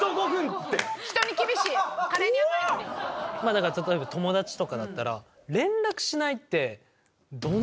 だから例えば友達とかだったら。